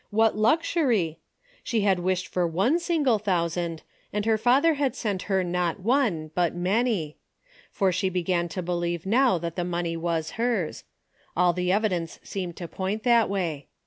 What luxury ! She had wished for one single thousand, and her Father had sent her not one, but many. For she began to be lieve now that the money was hers. All the evidence seemed to point that way.